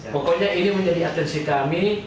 pokoknya ini menjadi atensi kami